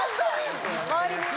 周りに。